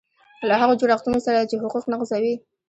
له هغو جوړښتونو سره چې حقوق نقضوي.